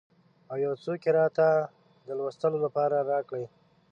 او یو څوک یې راته د لوستلو لپاره راکړي.